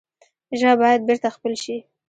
ژبه باید بېرته خپل شي.